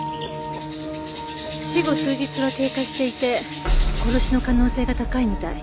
死後数日は経過していて殺しの可能性が高いみたい。